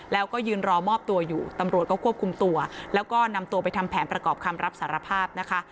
แล้วก็ยืนรอมอบตัวอยู่ตำรวจก็ควบคุมตัวแล้วก็นำตัวไปทำแผนประกอบคำรับสารภาพนะคะ